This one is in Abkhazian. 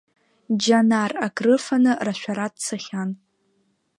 Џьанар акрыфаны рашәара дцахьан.